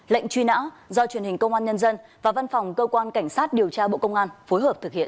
lệnh truy nã do truyền hình công an nhân dân và văn phòng cơ quan cảnh sát điều tra bộ công an phối hợp thực hiện